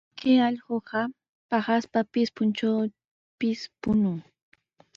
Kay allqu paqaspapis, puntrawpis puñun.